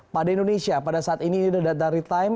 pada indonesia pada saat ini ini adalah data real time